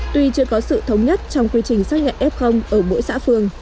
tuy chưa có sự thống nhất trong quy trình xác nhận f ở mỗi xã phường